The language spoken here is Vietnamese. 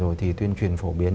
rồi thì tuyên truyền phổ biến